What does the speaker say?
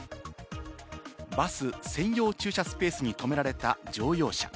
バス専用駐車スペースにとめられた乗用車。